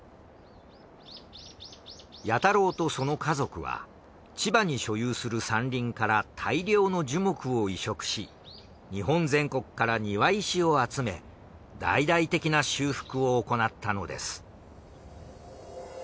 彌太郎とその家族は千葉に所有する山林から大量の樹木を移植し日本全国から庭石を集め大々的な修復を行ったのです。